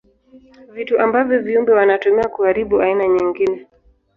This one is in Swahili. Vitu ambavyo viumbe wanatumia kuharibu aina nyingine.